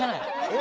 え？